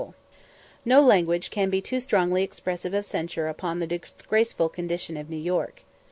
] No language can be too strongly expressive of censure upon the disgraceful condition of New York.